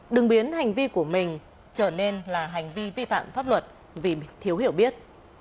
đừng biến hành vi của mình trở nên là hành vi vi phạm pháp luật vì thiếu hiểu biết